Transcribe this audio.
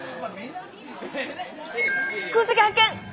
空席発見！